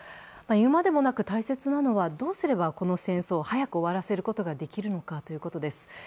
言うまでもなく大切なのはどうしたらこの戦争を早く終わらせることができるのかということです。